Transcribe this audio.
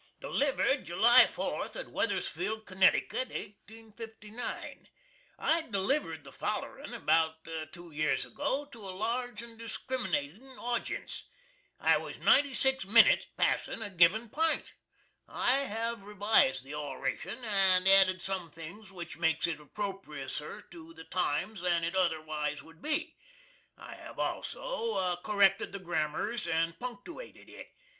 Delivered July 4th, at Weathersfield, Connecticut, 1859. [I delivered the follerin, about two years ago, to a large and discriminating awjince. I was 96 minits passin a givin pint. I have revised the orashun, and added sum things which makes it approposser to the times than it otherwise would be. I have also corrected the grammers and punktooated it.